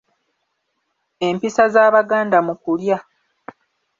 Empisa z'Abaganda mu kulya.